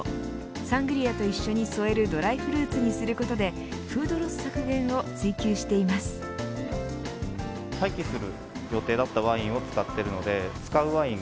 サングリアと一緒に添えるドライフルーツにすることでフードロス削減を追求しています。